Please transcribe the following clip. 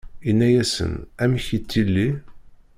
Inna-yasen: Amek yettili?